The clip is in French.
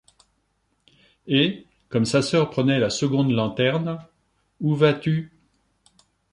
Et, comme sa sœur prenait la seconde lanterne: — Où vas-tu?